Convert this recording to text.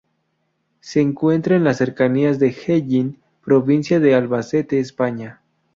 Se encuentra en las cercanías de Hellín, provincia de Albacete, España.